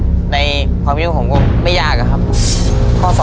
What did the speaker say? เดี๋ยวข้อนี้ก็ในความรู้ของผมก็ไม่ยากครับครับ